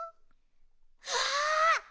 わあ！